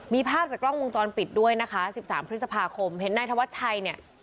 มีภาพจากกล้องวงจรปิดด้วยนะคะ๑๓พฤษภาคมเห็นนายธวัชชัยเนี่ย